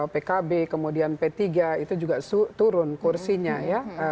pkb kemudian p tiga itu juga turun kursinya ya